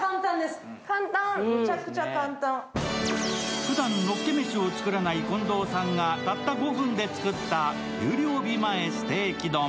ふだんのっけメシを作らない近藤さんがたった５分で作った給料日前ステーキ丼。